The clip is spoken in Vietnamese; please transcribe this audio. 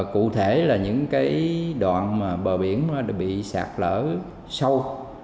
cụ thể là những cái đoạn mà bờ biển bị sạt lở sâu